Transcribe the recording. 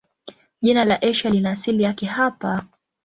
Jina la Asia lina asili yake hapa.